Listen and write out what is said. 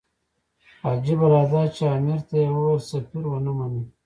عجیبه لا دا چې امیر ته یې وویل سفیر ونه مني.